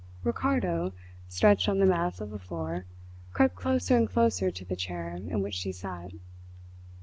Ricardo, stretched on the mats of the floor, crept closer and closer to the chair in which she sat.